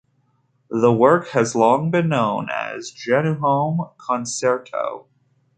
The work has long been known as the "Jeunehomme" Concerto.